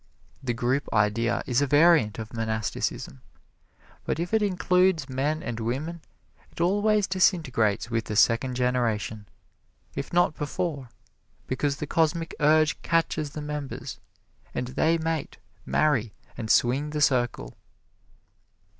The Group Idea is a variant of monasticism, but if it includes men and women, it always disintegrates with the second generation, if not before, because the Cosmic Urge catches the members, and they mate, marry and swing the circle.